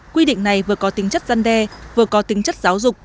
quy định này vừa có tính chất dân đe vừa có tính chất giáo dục